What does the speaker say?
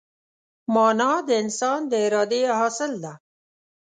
مانا د انسان د ارادې حاصل ده.